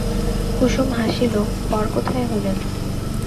কুসুম হাসিল, পর কোথায় হলেন?